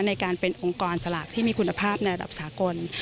ในการเป็นองค์กรสลากที่มีคุณภาพในระดับสากล